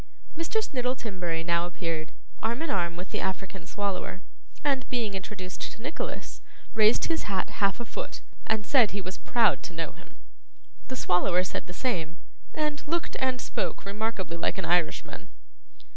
Mr. Snittle Timberry now appeared, arm in arm with the African Swallower, and, being introduced to Nicholas, raised his hat half a foot, and said he was proud to know him. The Swallower said the same, and looked and spoke remarkably like an Irishman.